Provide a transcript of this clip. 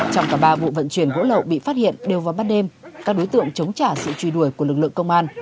trong cả ba vụ vận chuyển gỗ lậu bị phát hiện đều vào bắt đêm các đối tượng chống trả sự truy đuổi của lực lượng công an